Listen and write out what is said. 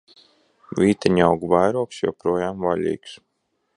Vīteņaugu vairogs joprojām vaļīgs!